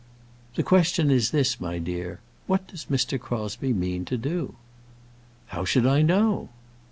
"The question is this, my dear, what does Mr. Crosbie mean to do?" "How should I know?"